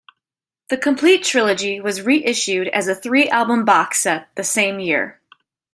The complete trilogy was reissued as a three album box set the same year.